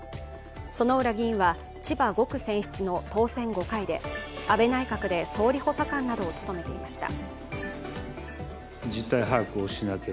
薗浦議員は千葉５区選出の当選５回で安倍内閣で総理補佐官などを務めていました。